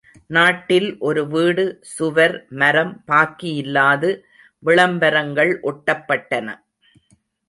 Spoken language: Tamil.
நாட்டில் ஒரு வீடு, சுவர், மரம் பாக்கியில்லாது விளம்பரங்கள் ஒட்டப்பட்டன.